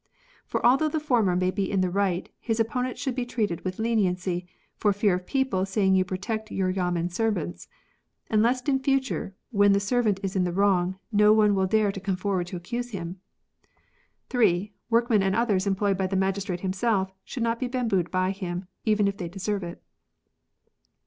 [For although the former may be in the right, his opponent should be treated with leniency, for fear of people saying you protect your Yamen servants ; and lest in future, when the servant is in the wrong, no one will dare come forward to accuse him.] (3.) Workmen and others employed by the magistrate himself should not be bambooed by him, even if they deserve it.